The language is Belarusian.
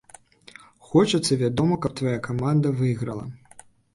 Хочацца, вядома, каб твая каманда выйграла.